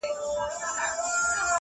ستا د کتاب د ښوونځیو وطن.!